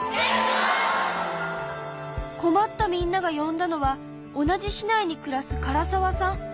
困ったみんなが呼んだのは同じ市内に暮らす唐澤さん。